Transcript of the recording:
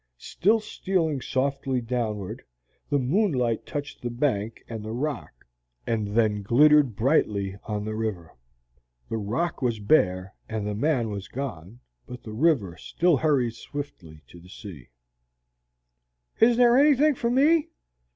Still stealing softly downward, the moonlight touched the bank and the rock, and then glittered brightly on the river. The rock was bare and the man was gone, but the river still hurried swiftly to the sea. "Is there anything for me?"